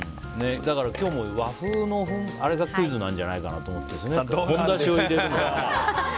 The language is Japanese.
今日も和風のあれがクイズなんじゃないかと思って。